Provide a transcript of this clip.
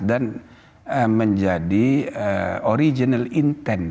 dan menjadi original intent